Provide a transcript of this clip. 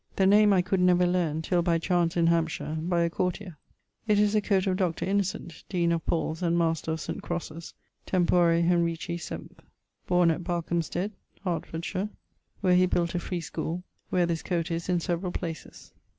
The name I could never learn, till by chance, in Hampshire, by a courtier. It is the coate of Dr. Innocent, deane of Paule's and master of St. Crosses, tempore Henrici VII. Borne at Barkehamsted, Hertfordshire; where he built a free schole, where this coat is in severall places.